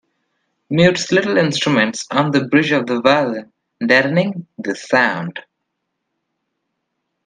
Mutes little instruments on the bridge of the violin, deadening the sound.